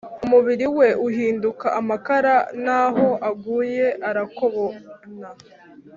umubili we uhinduka amakara n'aho aguye arakobana